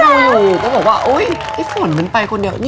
ก็ดูหนูก็บอกว่าอุ้ยฝนมันไปคนเดียว